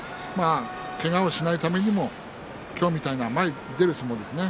けがをしないためにも今日みたいな前に出る相撲ですね